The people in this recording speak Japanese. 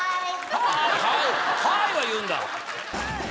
「はい」は言うんだ